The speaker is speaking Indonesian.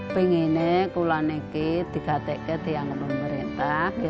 pengennya saya neki dikatakan oleh pemerintah